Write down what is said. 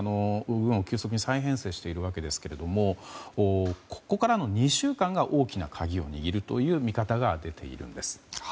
軍を急速に再編成しているわけですがここからの２週間が大きな鍵を握るという見方が出ているんです。